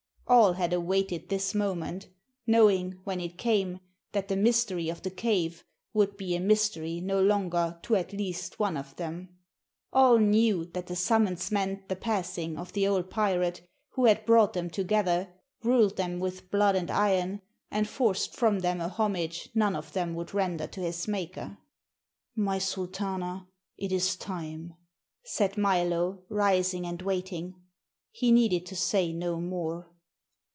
All had awaited this moment, knowing when it came that the mystery of the cave would be a mystery no longer to at least one of them: all knew that the summons meant the passing of the old pirate who had brought them together, ruled them with blood and iron, and forced from them a homage none of them would render to his Maker. "My Sultana, it is time," said Milo, rising and waiting. He needed to say no more.